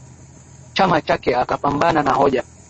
chama chake akapambana na hoja